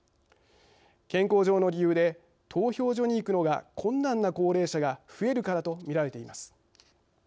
健康上の理由で投票所に行くのが困難な高齢者が増えるからと見られています。